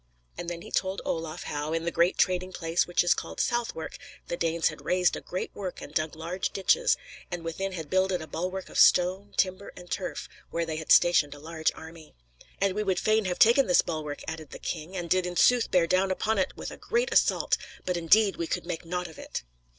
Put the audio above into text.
And then he told Olaf how, "in the great trading place which is called Southwark," the Danes had raised "a great work and dug large ditches, and within had builded a bulwark of stone, timber, and turf, where they had stationed a large army. "And we would fain have taken this bulwark," added the king, "and did in sooth bear down upon it with a great assault; but indeed we could make naught of it."